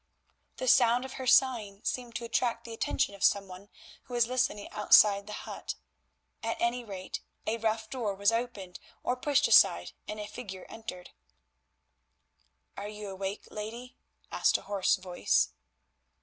The sound of her sighing seemed to attract the attention of some one who was listening outside the hut; at any rate a rough door was opened or pushed aside and a figure entered. "Are you awake, lady?" asked a hoarse voice.